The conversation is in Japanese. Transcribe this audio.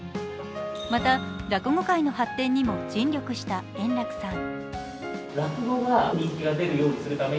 また、落語界の発展にも尽力した円楽さん。